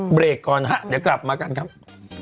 เดี๋ยวรับมากันครับ